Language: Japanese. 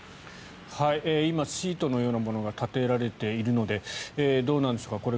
今、シートのようなものが立てられているのでどうなんでしょうか